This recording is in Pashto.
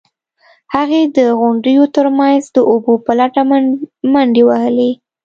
هغې د غونډیو ترمنځ د اوبو په لټه منډې وهلې.